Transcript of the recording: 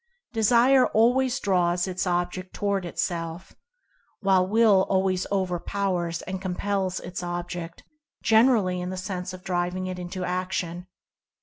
Desire always draws its ob ject toward itself ; while Will always overpowers and compels its object, generally in the sense of driving it into action.